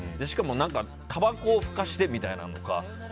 しかもたばこをふかしてみたいなとか。